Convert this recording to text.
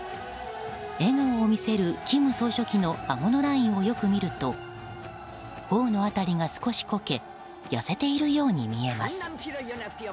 笑顔を見せる金総書記のあごのラインをよく見ると頬の辺りが少しこけ痩せているように見えます。